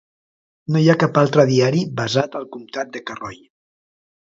No hi ha cap altre diari basat al comptat de Carroll.